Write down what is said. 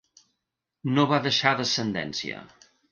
No va deixar descendència.